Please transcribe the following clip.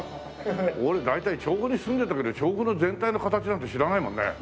俺大体調布に住んでたけど調布の全体の形なんて知らないもんね。